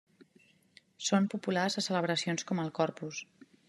Són populars a celebracions com el Corpus.